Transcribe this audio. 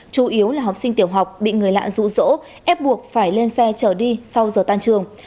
chủ yếu là học sinh tiểu học bị người lạ rụ rỗ ép buộc phải lên xe chở đi sau giờ tan trường